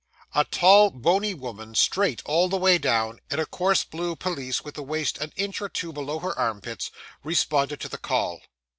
A tall, bony woman straight all the way down in a coarse, blue pelisse, with the waist an inch or two below her arm pits, responded to the call.